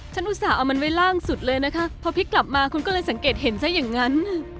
อุตส่าห์เอามันไว้ล่างสุดเลยนะคะพอพลิกกลับมาคุณก็เลยสังเกตเห็นซะอย่างนั้น